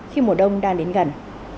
khi mùa đông đang đến gần